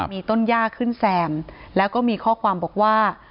มีต้นย่าขึ้นแซมแล้วก็มีข้อความบอกว่า